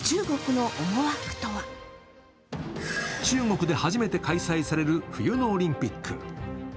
中国で初めて開催される冬のオリンピック。